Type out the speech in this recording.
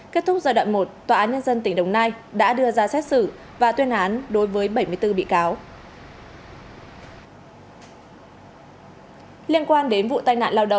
kết thúc giai đoạn một tòa án nhân dân tỉnh đồng nai đã đưa ra xét xử và tuyên án đối với bảy mươi bốn bị cáo